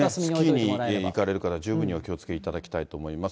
スキーに行かれる方、十分にお気をつけいただきたいと思います。